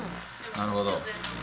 なるほど。